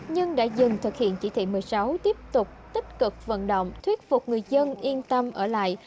nhưng đã dừng thực hiện chỉ thị một mươi sáu tiếp tục tích cực vận động thuyết phục người dân yên tâm ở lại